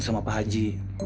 sama pak haji